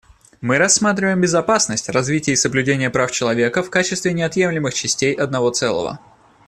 Мы рассматриваем безопасность, развитие и соблюдение прав человека в качестве неотъемлемых частей одного целого.